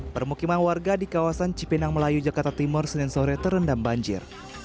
permukiman warga di kawasan cipinang melayu jakarta timur senin sore terendam banjir